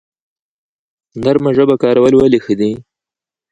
نرمه ژبه کارول ولې ښه دي؟